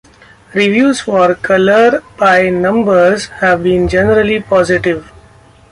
Reviews for "Colour by Numbers" have been generally positive.